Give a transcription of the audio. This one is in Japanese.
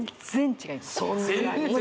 違います